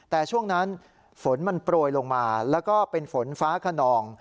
แต่ช่วงนั้นฝนมันโปรยลงมาแล้วก็เป็นฝนฟ้าขนอง